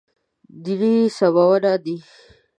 دیني سمونه دی.